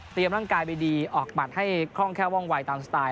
เตรียมร่างกายไปดีออกบัตรให้คล่องแคว่งไวตามสไตล์